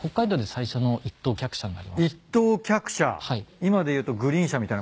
今で言うとグリーン車みたいな。